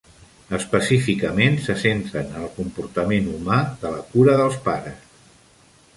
Específicament, se centren en el comportament humà de la cura dels pares.